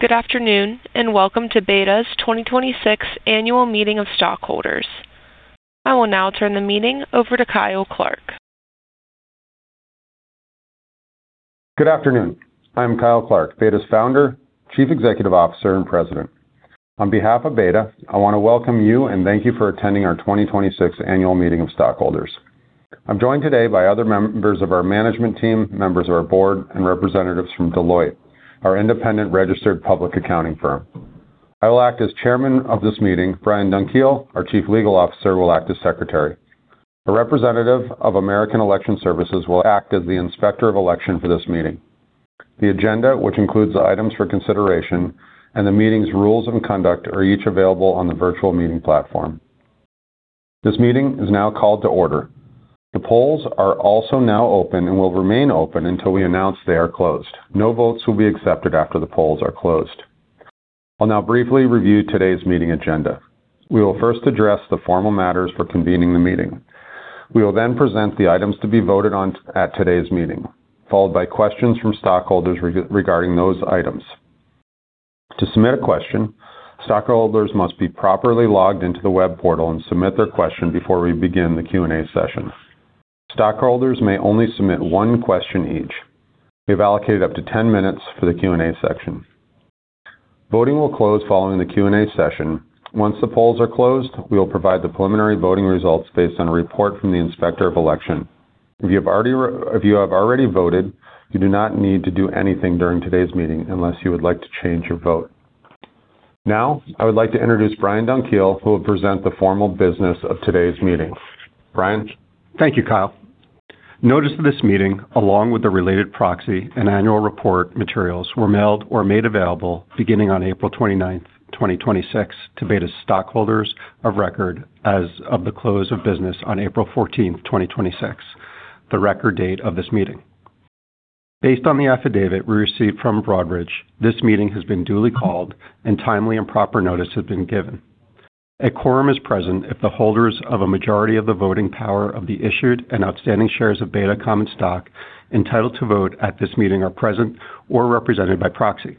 Good afternoon. Welcome to BETA's 2026 annual meeting of stockholders. I will now turn the meeting over to Kyle Clark. Good afternoon. I'm Kyle Clark, BETA's Founder, Chief Executive Officer, and President. On behalf of BETA, I want to welcome you and thank you for attending our 2026 annual meeting of stockholders. I'm joined today by other members of our management team, members of our board, and representatives from Deloitte, our independent registered public accounting firm. I will act as Chairman of this meeting. Brian Dunkiel, our Chief Legal Officer, will act as Secretary. A representative of American Election Services will act as the inspector of election for this meeting. The agenda, which includes the items for consideration and the meeting's rules and conduct, are each available on the virtual meeting platform. This meeting is now called to order. The polls are also now open and will remain open until we announce they are closed. No votes will be accepted after the polls are closed. I'll now briefly review today's meeting agenda. We will first address the formal matters for convening the meeting. We will then present the items to be voted on at today's meeting, followed by questions from stockholders regarding those items. To submit a question, stockholders must be properly logged into the web portal and submit their question before we begin the Q&A session. Stockholders may only submit one question each. We've allocated up to 10 minutes for the Q&A section. Voting will close following the Q&A session. Once the polls are closed, we will provide the preliminary voting results based on a report from the inspector of election. If you have already voted, you do not need to do anything during today's meeting unless you would like to change your vote. Now, I would like to introduce Brian Dunkiel, who will present the formal business of today's meeting. Brian? Thank you, Kyle. Notice of this meeting, along with the related proxy and annual report materials, were mailed or made available beginning on April 29, 2026 to BETA's stockholders of record as of the close of business on April 14, 2026, the record date of this meeting. Based on the affidavit we received from Broadridge, this meeting has been duly called and timely and proper notice has been given. A quorum is present if the holders of a majority of the voting power of the issued and outstanding shares of BETA common stock entitled to vote at this meeting are present or represented by proxy.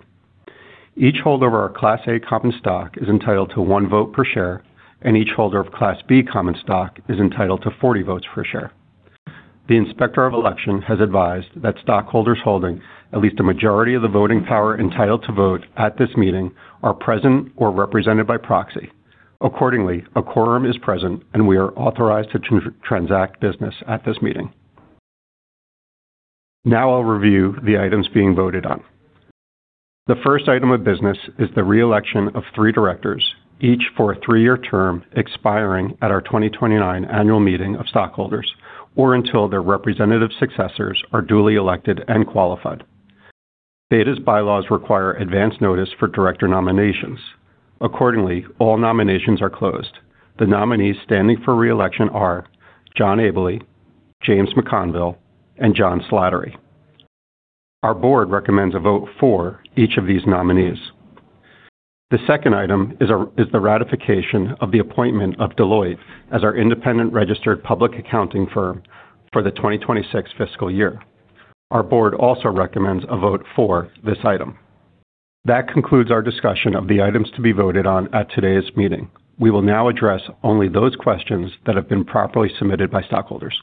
Each holder of our Class A common stock is entitled to one vote per share, and each holder of Class B common stock is entitled to 40 votes per share. The inspector of election has advised that stockholders holding at least a majority of the voting power entitled to vote at this meeting are present or represented by proxy. Accordingly, a quorum is present and we are authorized to transact business at this meeting. I'll review the items being voted on. The first item of business is the re-election of three directors, each for a three-year term expiring at our 2029 annual meeting of stockholders, or until their representative successors are duly elected and qualified. BETA's bylaws require advance notice for director nominations. Accordingly, all nominations are closed. The nominees standing for re-election are John Abele, James McConville, and John Slattery. Our board recommends a vote for each of these nominees. The second item is the ratification of the appointment of Deloitte as our independent registered public accounting firm for the 2026 fiscal year. Our board also recommends a vote for this item. That concludes our discussion of the items to be voted on at today's meeting. We will now address only those questions that have been properly submitted by stockholders.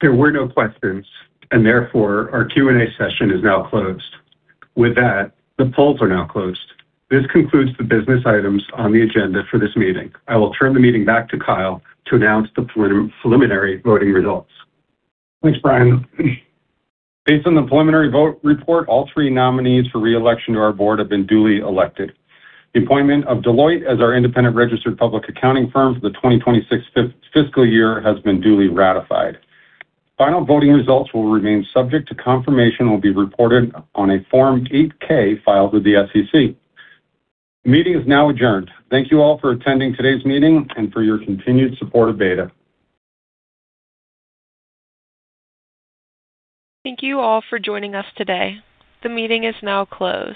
There were no questions and therefore our Q&A session is now closed. With that, the polls are now closed. This concludes the business items on the agenda for this meeting. I will turn the meeting back to Kyle to announce the preliminary voting results. Thanks, Brian. Based on the preliminary vote report, all three nominees for re-election to our board have been duly elected. The appointment of Deloitte as our independent registered public accounting firm for the 2026 fiscal year has been duly ratified. Final voting results will remain subject to confirmation and will be reported on a Form 8-K filed with the SEC. The meeting is now adjourned. Thank you all for attending today's meeting and for your continued support of BETA. Thank you all for joining us today. The meeting is now closed.